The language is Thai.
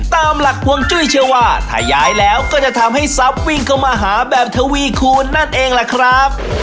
ตามหลักพวงจุ้ยเชื่อว่าถ้าย้ายแล้วก็จะทำให้ทรัพย์วิ่งเข้ามาหาแบบทวีคูณนั่นเองล่ะครับ